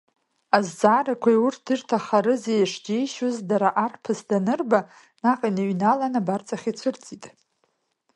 Азҵаарақәеи урҭ ирҭакхарызи шџьеишьоз, дара, арԥыс данырба, наҟ иныҩналан, абарҵахь ицәырҵит.